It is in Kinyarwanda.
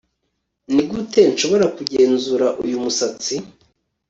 nigute nshobora kugenzura uyu musatsi ?